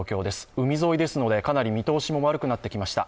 海沿いですので、かなり見通しも悪くなってきました。